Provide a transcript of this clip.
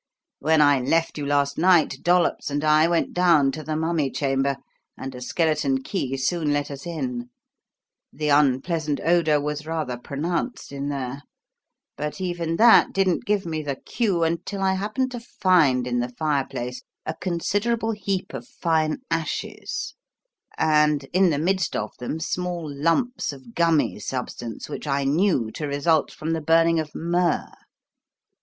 When I left you last night, Dollops and I went down to the mummy chamber, and a skeleton key soon let us in. The unpleasant odour was rather pronounced in there. But even that didn't give me the cue, until I happened to find in the fireplace a considerable heap of fine ashes, and in the midst of them small lumps of gummy substance, which I knew to result from the burning of myrrh.